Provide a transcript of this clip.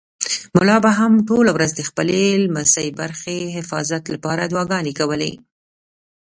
ملا به هم ټوله ورځ د خپلې لسمې برخې حفاظت لپاره دعاګانې کولې.